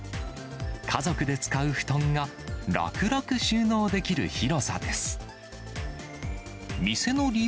家族で使う布団が楽々収納できる広さです。